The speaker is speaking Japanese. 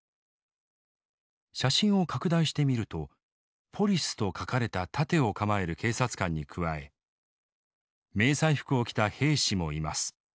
写真を拡大してみると「ポリス」と書かれた盾を構える警察官に加え迷彩服を着た兵士もいます。